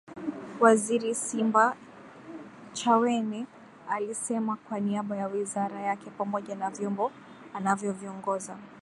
Waziri Simbachawene alisema kwa niaba ya Wizara yake pamoja na vyombo anavyoviongoza